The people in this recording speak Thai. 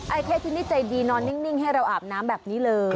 เค้กที่นี่ใจดีนอนนิ่งให้เราอาบน้ำแบบนี้เลย